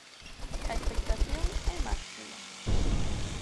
A expectación é máxima.